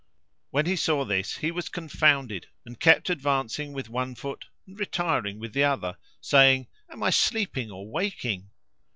When he saw this he was confounded and kept advancing with one foot, and retiring with the other, saying, "Am I sleeping or waking?"